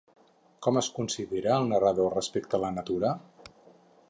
Com es considera el narrador respecte a la natura?